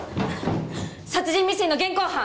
殺人未遂の現行犯！